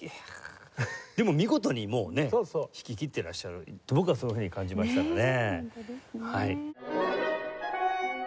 でも見事にもうね弾ききってらっしゃると僕はそういうふうに感じましたがね。